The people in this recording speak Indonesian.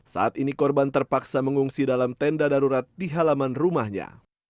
saat ini korban terpaksa mengungsi dalam tenda darurat di halaman rumahnya